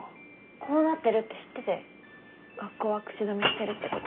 こうなってるって知ってて学校は口止めしてるってこと？